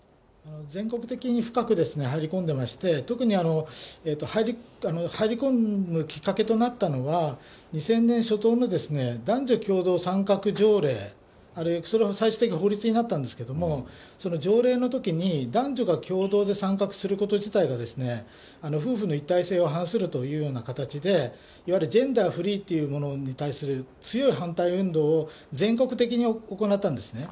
全国的に深く入り込んでまして、特に入り込むきっかけとなったのは、２０００年初頭の男女共同参画条例、最終的に法律になったんですけど、その条例のときに、男女が共同で参画すること自体が、夫婦の一体性に反するというような形で、いわゆるジェンダーフリーということに対する強い反対運動を、全国的に行ったんですね。